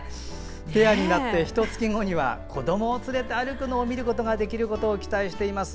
ペアになってひと月後には子どもを連れて歩くのを見ることができるのを期待しています。